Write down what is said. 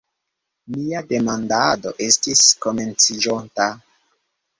Nia demandado estis komenciĝonta.